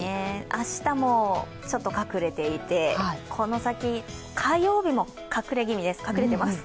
明日もちょっと隠れていてこの先、火曜日も隠れてます。